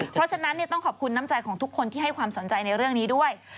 เพราะฉะนั้นต้องขอบคุณน้ำใจของทุกคนที่ให้ความสนใจในเรื่องนี้ด้วย